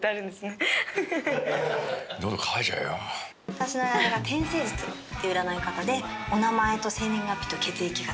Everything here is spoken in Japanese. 私の占いが天星術っていう占い方でお名前と生年月日と血液型